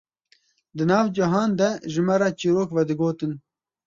di nav cihan de ji me re çîrok vedigotin